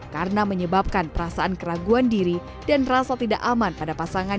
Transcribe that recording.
karena menyebabkan perasaan keraguan diri dan rasa tidak aman pada pasangan